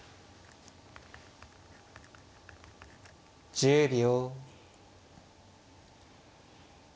１０秒。